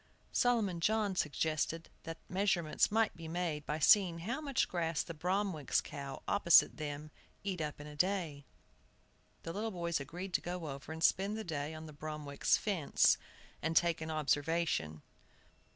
Solomon John suggested that measurements might be made by seeing how much grass the Bromwicks' cow, opposite them, eat up in a day. The little boys agreed to go over and spend the day on the Bromwicks' fence, and take an observation.